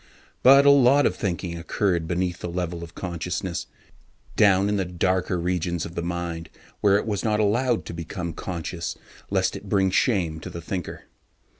But a lot of human thinking occurred beneath the level of consciousness, down in the darker regions of the mind where it was not allowed to become conscious lest it bring shame to the thinker.